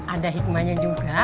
ada hikmahnya juga